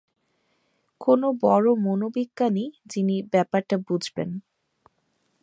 কোনো বড় মনোবিজ্ঞানী, যিনি ব্যাপারটা বুঝবেন।